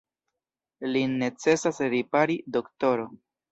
Lin necesas ripari, doktoro.